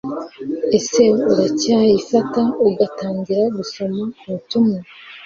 ese urayifata ugatangira gusoma ubutumwa